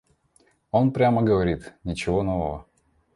Он прямо говорит: «Ничего нового».